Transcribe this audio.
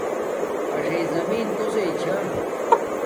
اݽی زمین کوسݵ چھا